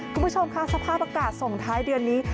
คุณผู้ชมค่ะสภาพอากาศส่งท้ายเดือนนี้